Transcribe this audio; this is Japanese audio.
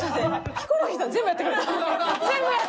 ヒコロヒーさん全部やってくれた。